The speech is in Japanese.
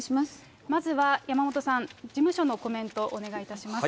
まずは山本さん、事務所のコメント、お願いいたします。